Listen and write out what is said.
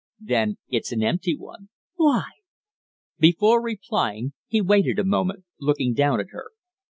"Then it's an empty one." "Why?" Before replying he waited a moment, looking down at her.